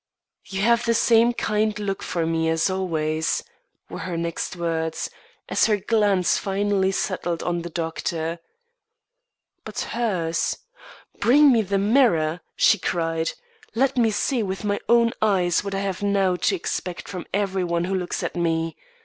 "You have the same kind look for me as always," were her next words, as her glance finally settled on the doctor. "But hers Bring me the mirror," she cried. "Let me see with my own eyes what I have now to expect from every one who looks at me.